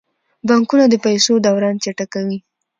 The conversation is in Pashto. بانکونه د پیسو دوران چټکوي.